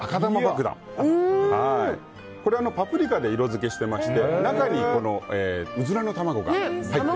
パプリカで色づけしてまして中にウズラの卵が。